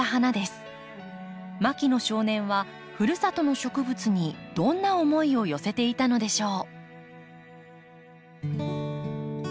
牧野少年はふるさとの植物にどんな思いを寄せていたのでしょう。